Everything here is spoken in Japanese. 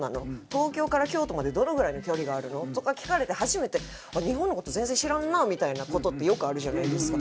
「東京から京都までどのぐらいの距離があるの？」とか聞かれて初めて日本の事全然知らんなみたいな事ってよくあるじゃないですか。